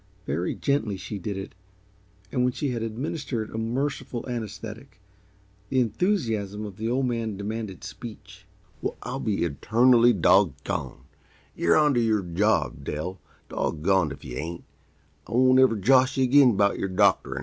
Very gently she did it, and when she had administered a merciful anaesthetic, the enthusiasm of the Old Man demanded speech. "Well, I'll be eternally doggoned! You're onto your job, Dell, doggoned if yuh ain't. I won't ever josh yuh again about yer doctorin'!"